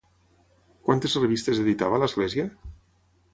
Quantes revistes editava l'Església?